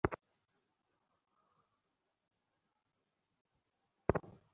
অতএব ঈশ্বরকে মানবরূপে উপাসনা করা একান্ত আবশ্যক।